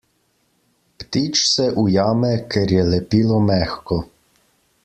Ptič se ujame, ker je lepilo mehko.